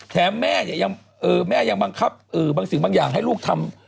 แม่เนี่ยแม่ยังบังคับบางสิ่งบางอย่างให้ลูกทำ